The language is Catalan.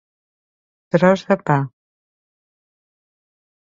Tros de pa.